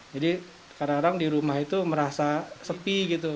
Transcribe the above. jadi kadang kadang di rumah itu merasa sepi gitu